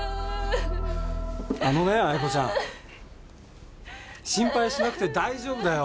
あのね愛子ちゃん心配しなくて大丈夫だよ！